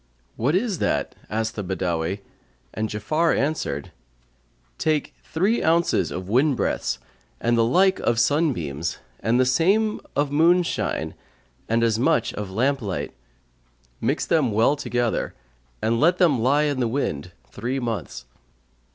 "What is that?" asked the Badawi; and Ja'afar answered, "Take three ounces of wind breaths and the like of sunbeams and the same of moonshine and as much of lamp light; mix them well together and let them lie in the wind three months.